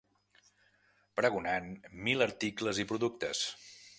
...pregonant mil articles i productes